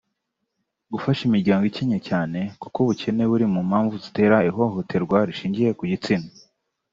Gufasha imiryango ikenye cyane kuko ubukene buri mu mpamvu zitera ihohoterwa rishingiye ku gitsina